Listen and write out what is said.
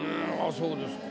そうですか。